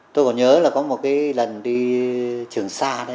tôi còn nhớ là có một cái lần đi trường xa đấy